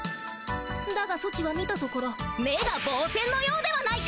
だがソチは見たところ目がぼう線のようではないか！